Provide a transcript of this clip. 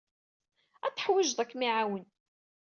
Ad t-teḥwijeḍ ad kem-iɛawen.